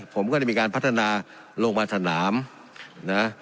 ผมก็ได้มีการพัฒนาโรงพยาบาลสนามนะ